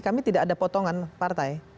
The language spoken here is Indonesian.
kami tidak ada potongan partai